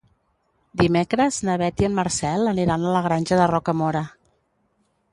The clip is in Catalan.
Dimecres na Beth i en Marcel aniran a la Granja de Rocamora.